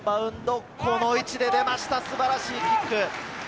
この位置で出ました、素晴らしいキック。